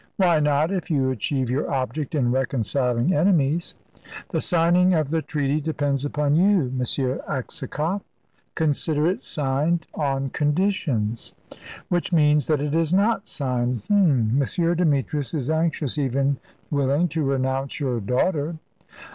"Why not, if you achieve your object in reconciling enemies?" "The signing of the treaty depends upon you, M. Aksakoff." "Consider it signed on conditions." "Which means that it is not signed. H'm! M. Demetrius is anxious, even willing, to renounce your daughter."